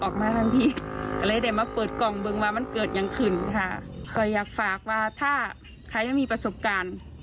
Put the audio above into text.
ก็อยากฝากว่าถ้าใครไม่มีประสบการณ์